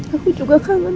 aku juga kangen